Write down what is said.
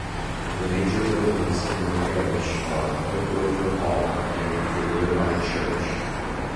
The major buildings in the parish are Okeover Hall and the nearby church.